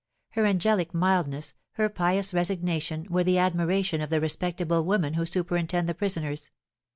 Her angelic mildness, her pious resignation, were the admiration of the respectable women who superintend the prisoners.